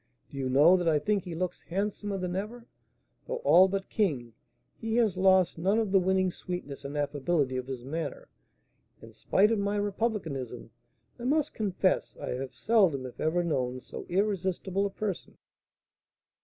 Do you know that I think he looks handsomer than ever? Though all but king, he has lost none of the winning sweetness and affability of his manner, and, spite of my republicanism, I must confess I have seldom, if ever, known so irresistible a person."